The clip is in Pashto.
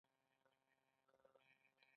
زما ملګری ښه سړی دی.